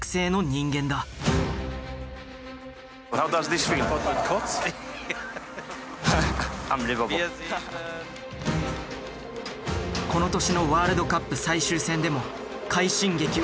この年のワールドカップ最終戦でも快進撃は続く。